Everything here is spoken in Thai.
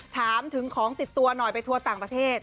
ถามถึงของติดตัวหน่อยไปทั่วต่างประเทศ